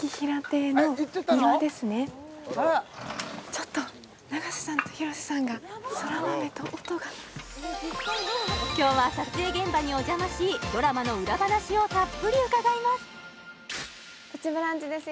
ちょっと永瀬さんと広瀬さんが空豆と音が今日は撮影現場にお邪魔しドラマの裏話をたっぷり伺います「プチブランチ」です